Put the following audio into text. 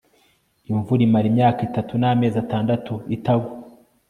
imvura imara imyaka itatu namezi atandatu itagwa